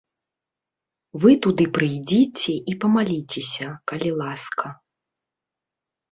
Вы туды прыйдзіце і памаліцеся, калі ласка.